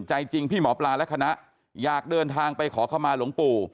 ใจจริงพี่หมอปลาและคณะอยากเดินทางไปขอเข้ามาหลวงปู่